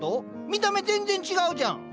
見た目全然違うじゃん。